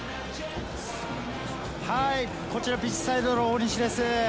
はい、こちらピッチサイドの大西です。